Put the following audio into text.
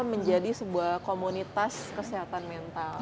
menjadi sebuah komunitas kesehatan mental